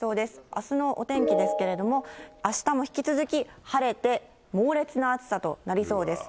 あすのお天気ですけれども、あしたも引き続き晴れて猛烈な暑さとなりそうです。